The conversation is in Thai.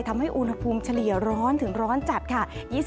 ทำให้อุณหภูมิเฉลี่ยร้อนถึงร้อนจัดค่ะ